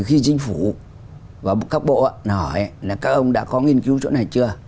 khi chính phủ và các bộ hỏi là các ông đã có nghiên cứu chỗ này chưa